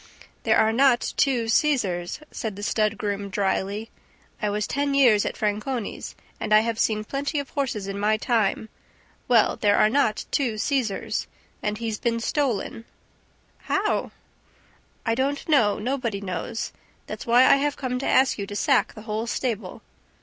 "There are not two Cesars," said the stud groom dryly. "I was ten years at Franconi's and I have seen plenty of horses in my time. Well, there are not two Cesars. And he's been stolen." "How?" "I don't know. Nobody knows. That's why I have come to ask you to sack the whole stable."